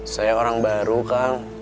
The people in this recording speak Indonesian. saya orang baru kang